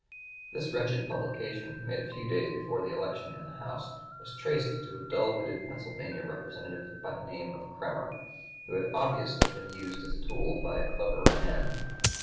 This wretched publication, made a few days before the election in the House, was traced to a dull witted Pennsylvania Representative by the name of Kremer, who had (p. 171) obviously been used as a tool by cleverer men.